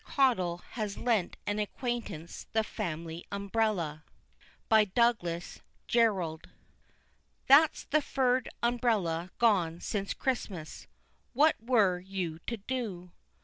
CAUDLE HAS LENT AN ACQUAINTANCE THE FAMILY UMBRELLA. DOUGLAS JERROLD. "That's the third umbrella gone since Christmas. _What were you to do?